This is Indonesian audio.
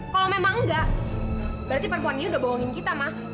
kalau memang enggak berarti perempuan ini udah bohongin kita mah